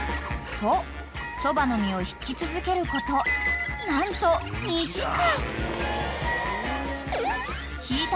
［とそばの実をひき続けること何と２時間］